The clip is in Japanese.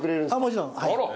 もちろん！